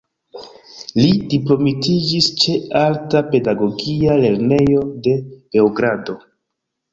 Li diplomitiĝis ĉe Alta Pedagogia Lernejo de Beogrado.